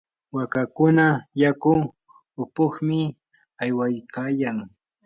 waakakuna yaku upuqmi aywaykayan.